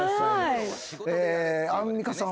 アンミカさん。